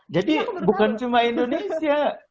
jadi bukan cuma indonesia